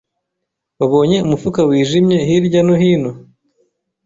Wabonye umufuka wijimye hirya no hino?